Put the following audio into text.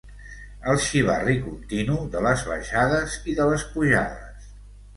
El xivarri continu de les baixades i de les pujades.